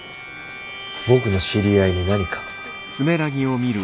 僕の知り合いに何か？